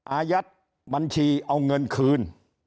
อายัดบัญชีเอาเงินคืน